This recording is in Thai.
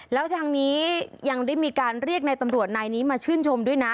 แล้วทางนี้ยังได้มีการเรียกในตำรวจนายนี้มาชื่นชมด้วยนะ